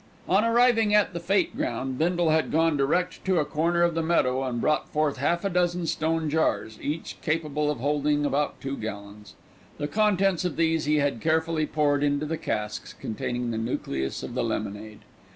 On arriving at the Fête ground Bindle had gone direct to a corner of the meadow and brought forth half a dozen stone jars, each capable of holding about two gallons. The contents of these he had carefully poured into the casks containing the nucleus of the lemonade.